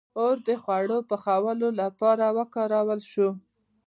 • اور د خوړو پخولو لپاره وکارول شو.